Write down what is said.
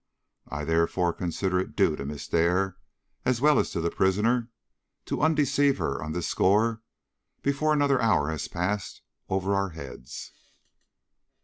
I therefore consider it due to Miss Dare, as well as to the prisoner, to undeceive her on this score before another hour has passed over our heads.